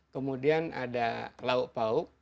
kemudian ada lauk lauk